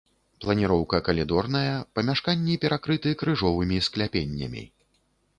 Планіроўка калідорная, памяшканні перакрыты крыжовымі скляпеннямі.